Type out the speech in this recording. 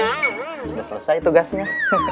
udah selesai tugasnya